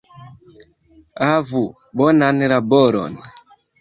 Havu bonan laboron